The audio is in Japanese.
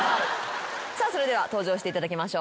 さあそれでは登場していただきましょう。